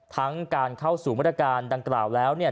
ทั้งการเข้าสู่มาตรการดังกล่าวแล้วเนี่ย